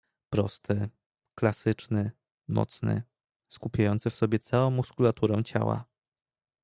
"Prosty, klasyczny, mocny, skupiający w sobie całą muskulaturę ciała."